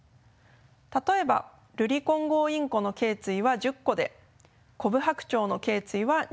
例えばルリコンゴウインコのけい椎は１０個でコブハクチョウのけい椎は２３個です。